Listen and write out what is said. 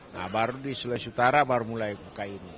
nah baru di sulawesi utara baru mulai buka ini